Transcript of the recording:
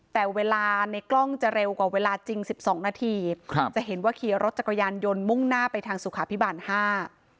แต่เวลาในกล้องจะเร็วกว่าเวลาจริงสิบสองนาทีครับจะเห็นว่าขี่รถจักรยานยนต์มุ่งหน้าไปทางสุขาพิบาลห้า